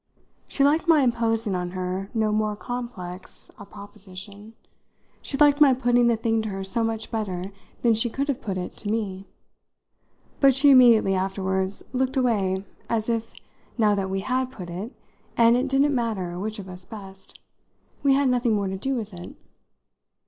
She liked my imposing on her no more complex a proposition. She liked my putting the thing to her so much better than she could have put it to me. But she immediately afterwards looked away as if now that we had put it, and it didn't matter which of us best we had nothing more to do with it.